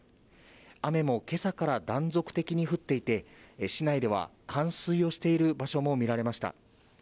雨も今朝から断続的に降っていて、市内では冠水をしている場所も見られました。